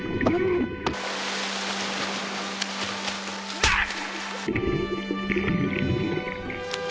うわっ！